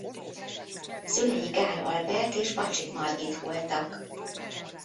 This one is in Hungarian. Szülei Gaál Albert és Bacsik Margit voltak.